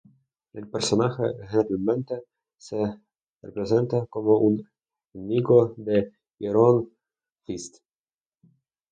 El personaje generalmente se representa como un enemigo de Iron Fist.